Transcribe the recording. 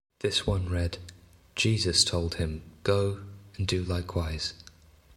This one read, 'Jesus told him, Go and do likewise.